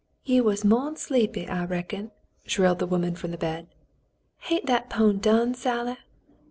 "Ye was more'n sleepy, I reckon," shrilled the woman from the bed. " Hain't that pone done, Sally